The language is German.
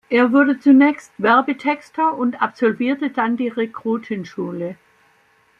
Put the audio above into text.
Er wurde zunächst Werbetexter und absolvierte dann die Rekrutenschule.